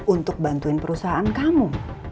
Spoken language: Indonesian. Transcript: untuk bantuin perusahaan kamu